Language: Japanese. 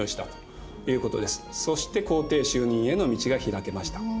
そして皇帝就任への道が開けました。